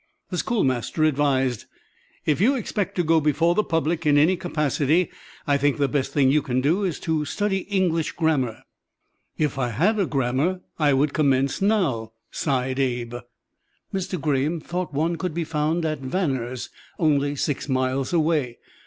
The schoolmaster advised: "If you expect to go before the public in any capacity, I think the best thing you can do is to study English grammar." "If I had a grammar I would commence now," sighed Abe. Mr. Graham thought one could be found at Vaner's, only six miles away.